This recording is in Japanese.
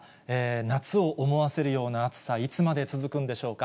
夏を思わせるような暑さ、いつまで続くんでしょうか。